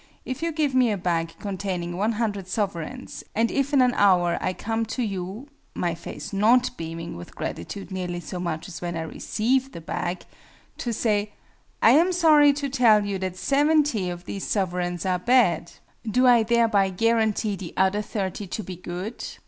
If you give me a bag containing 100 sovereigns, and if in an hour I come to you (my face not beaming with gratitude nearly so much as when I received the bag) to say "I am sorry to tell you that 70 of these sovereigns are bad," do I thereby guarantee the other 30 to be good?